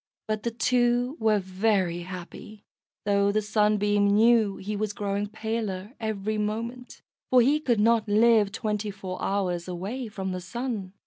But the two were very happy, though the Sunbeam knew he was growing paler every moment, for he could not live twenty four hours away from the Sun.